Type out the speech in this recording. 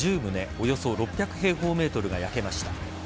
およそ６００平方ｍが焼けました。